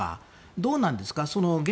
どうなんですか？